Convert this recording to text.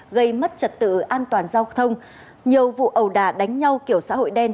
gây mất trật tự an toàn giao thông nhiều vụ ầu đà đánh nhau kiểu xã hội đen